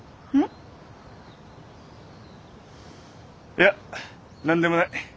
いや何でもない。